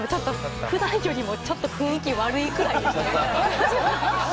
普段よりもちょっと雰囲気悪いくらいでしたね。